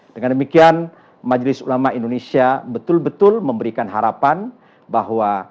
dengan demikian majelis ulama indonesia betul betul memberikan harapan bahwa